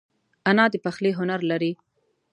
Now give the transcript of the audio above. انا د پخلي هنر لري